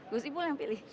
gus sipul yang pilih